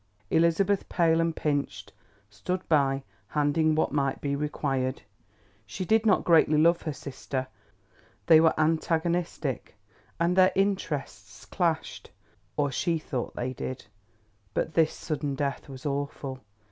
Elizabeth, pale and pinched, stood by handing what might be required. She did not greatly love her sister, they were antagonistic and their interests clashed, or she thought they did, but this sudden death was awful.